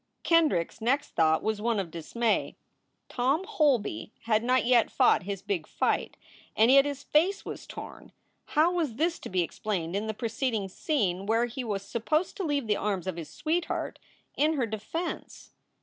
Kendrick s next thought was one of dismay. Tom Holby had not yet fought his big fight, and yet his face was torn. How was this to be explained in the preceding scene where he was supposed to leave the arms of his sweetheart in her defense